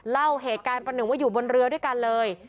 เล่าเหตุการณ์ประหนึ่งว่าอยู่บนเรือด้วยกันเลย